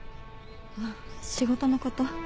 あっ仕事のこと。